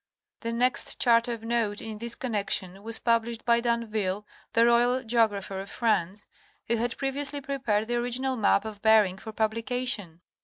; The next chart of note in this connection was published by D'Anville, the royal geographer of France, who had previously prepared the original map of Bering for publication.